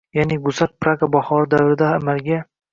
ya’ni Gusak “Praga bahori” davrida amalga